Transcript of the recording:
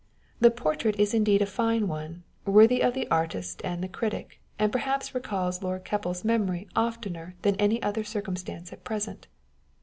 The portrait is indeed a fine one, worthy of the artist and the critic, and perhaps recalls Lord Keppel' s memory oftener than any other circumstance at present.